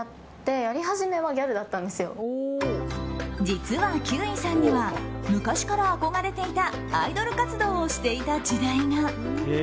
実は、休井さんには昔から憧れていたアイドル活動をしていた時代が。